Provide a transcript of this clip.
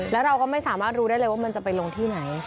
แล้วเราก็ไม่สามารถรู้ได้เลยว่ามันจะไปลงที่ไหน